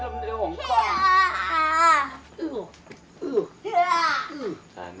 nggak belum dari hong kong